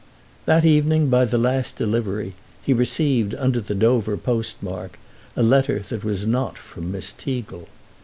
That evening, by the last delivery, he received, under the Dover postmark, a letter that was not from Miss Teagle.